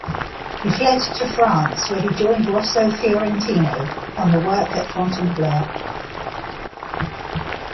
He fled to France where he joined Rosso Fiorentino in the work at Fontainebleau.